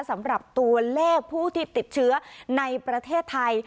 สำหรับตัวเลขผู้ที่ติดเชื้อในประเทศไทย